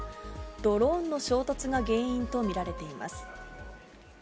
ドローンの衝突が原因と見られています。